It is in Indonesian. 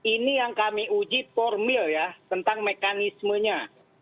ini yang kami uji formil ya tentang mekanismenya